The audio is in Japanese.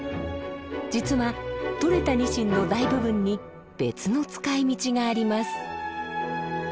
実はとれたにしんの大部分に別の使いみちがあります。